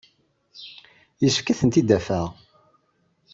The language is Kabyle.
Yessefk ad ten-id-afeɣ.